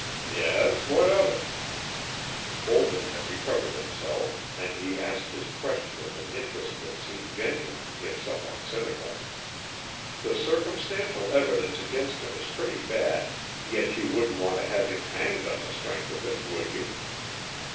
"Yes. What of it?" Olden had recovered himself, and he asked his question with an interest that seemed genuine, if somewhat cynical. "The circumstantial evidence against him is pretty bad, yet you wouldn't want to have him hanged on the strength of it, would you?"